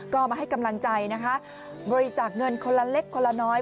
ก็มาให้กำลังใจนะคะบริจาคเงินคนละเล็กคนละน้อย